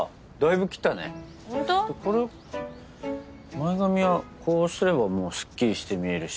前髪はこうすればもうすっきりして見えるし。